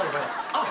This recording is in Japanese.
あっ。